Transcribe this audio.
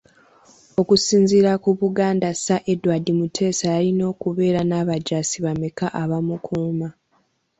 Okusinziira ku Buganda Sir Edward Muteesa yalina okubeera n’abajaasi bameka abamukuuma?